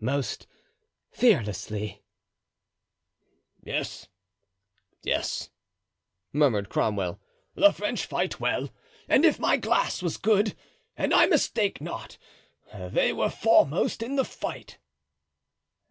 "Most fearlessly." "Yes, yes," murmured Cromwell; "the French fight well; and if my glass was good and I mistake not, they were foremost in the fight."